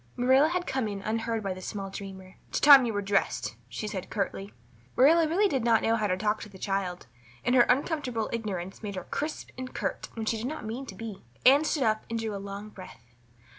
Marilla had come in unheard by the small dreamer. "It's time you were dressed," she said curtly. Marilla really did not know how to talk to the child, and her uncomfortable ignorance made her crisp and curt when she did not mean to be. Anne stood up and drew a long breath.